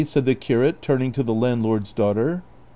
" said the curate turning to the Landlord's daughter.